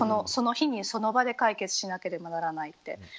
その日にその場で解決しなければならないって。